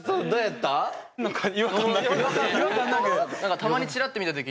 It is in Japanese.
どうやった？